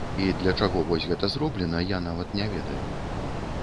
І для чаго вось гэта зроблена, я нават не ведаю.